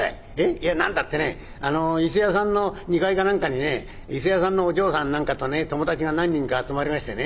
「いや何だってね伊勢屋さんの２階か何かにね伊勢屋さんのお嬢さんなんかとね友達が何人か集まりましてね